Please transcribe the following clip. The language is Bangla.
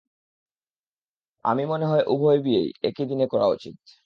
আমি মনে হয় উভয় বিয়েই, একই দিনে করা উচিত।